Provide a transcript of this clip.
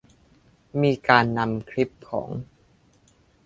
มีการนำคลิปของ